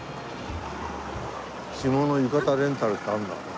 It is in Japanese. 着物浴衣レンタルってあるんだ。